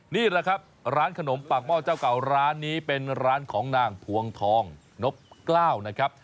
นี่แหละครับร้านขนมปากหม้อเจ้าเก่าร้านนี้เป็นร้านของนางพวงทองนบกล้าวนะครับ